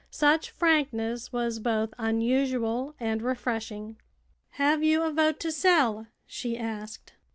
Such frankness was both unusual and refreshing. "Have you a vote to sell?" she asked.